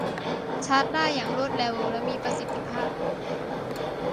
ชาร์จได้อย่างรวดเร็วและมีประสิทธิภาพ